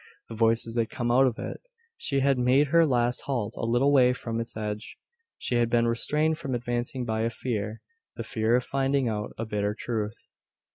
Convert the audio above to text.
The voices had come out of it. She had made her last halt a little way from its edge. She had been restrained from advancing by a fear the fear of finding out a bitter truth.